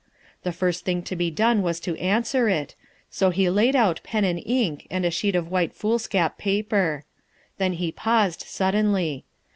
The first thing to be done was to answer it, so he laid out pen and ink and a sheet of white foolscap paper. Then he paused suddenly.